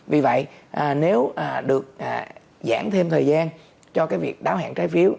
vì vậy nếu được giảm thêm thời gian cho cái việc đáo hạn trái phiếu